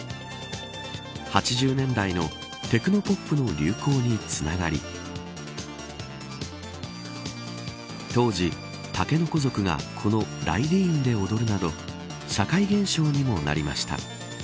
８０年代のテクノポップの流行につながり当時、竹の子族がこのライディーンで踊るなど社会現象にもなりました。